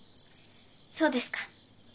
そうですか。